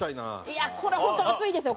いやこれ本当に熱いですよ